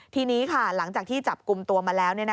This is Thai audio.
ทีนี้ค่ะหลังจากที่จับกลุ่มตัวมาแล้ว